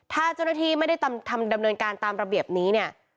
ถ้าเจ้าหน้าที่ไม่ได้ทำดำเนินการตามระเบียบนี้เนี่ย